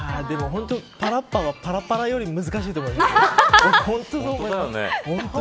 本当にパラッパがパラパラより難しいと思います。